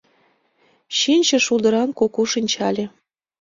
Чинче шулдыран куку шинчале.